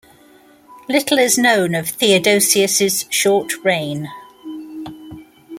Little is known of Theodosius' short reign.